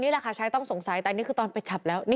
นี่ล่ะค่ะชายต้องสงสัยตอนนี้ก็ต้องไปโดน